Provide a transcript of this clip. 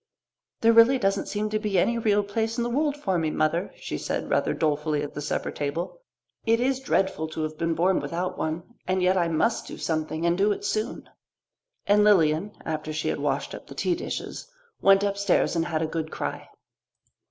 "There really doesn't seem to be any real place in the world for me, Mother," she said rather dolefully at the supper table. "I've no talent at all; it is dreadful to have been born without one. And yet I must do something, and do it soon." And Lilian, after she had washed up the tea dishes, went upstairs and had a good cry.